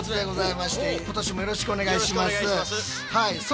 はい。